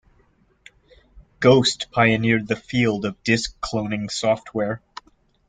Ghost pioneered the field of disk cloning software.